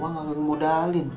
nggak mau ngemodalin